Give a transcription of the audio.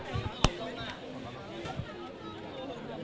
ข้างของต้องมีนะครับ